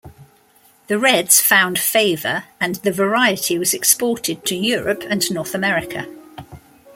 The 'Reds' found favour and the variety was exported to Europe and North America.